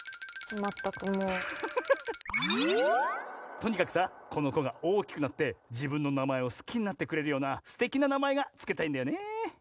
とにかくさこのこがおおきくなってじぶんのなまえをすきになってくれるようなすてきななまえがつけたいんだよね。